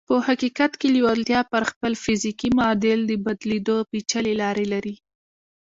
په حقیقت کې لېوالتیا پر خپل فزیکي معادل د بدلېدو پېچلې لارې لري